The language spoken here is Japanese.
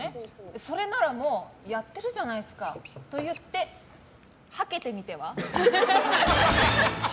それならもうやってるじゃないですかと言ってはけてみては？